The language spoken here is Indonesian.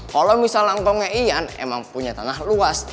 kalo misalnya ngkongnya ian emang punya tanah luas